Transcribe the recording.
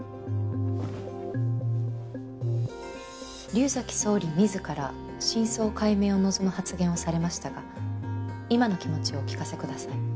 竜崎総理自ら真相解明を望む発言をされましたが今の気持ちをお聞かせください。